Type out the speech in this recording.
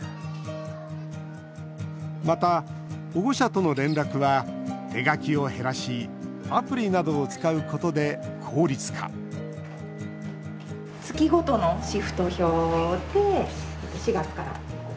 また、保護者との連絡は手書きを減らしアプリなどを使うことで効率化月ごとのシフト表で４月から。